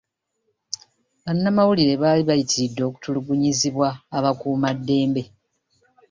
Bannamawulire baali bayitiredde okutulugunyizibwa abakuumaddembe.